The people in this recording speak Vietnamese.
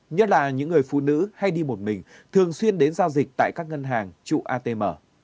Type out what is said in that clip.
nhất là những người phụ nữ hay đi một mình thường xuyên đến giao dịch tại các ngân hàng trụ atm